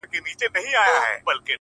سترګي دي هغسي نسه وې؛ نسه یي ـ یې کړمه؛